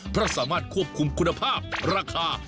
เพราะสามารถควบคุมคุณภาพราคา